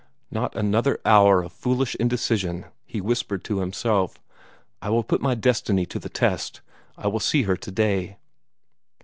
"Not another hour of foolish indecision!" he whispered to himself. "I will put my destiny to the test. I will see her today!"